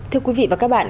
thưa quý vị và các bạn